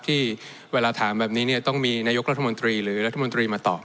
ที่เวลาถามแบบนี้เนี่ยต้องมีนายกรัฐมนตรีหรือรัฐมนตรีมาตอบ